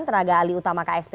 tenaga alih utama ksp